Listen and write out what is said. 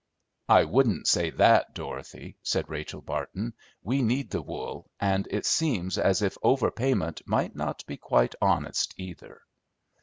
"I wouldn't say that, Dorothy," said Rachel Barton. "We need the wool, and it seems as if over payment might not be quite honest, either."